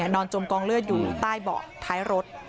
จมกองเลือดอยู่ใต้เบาะท้ายรถ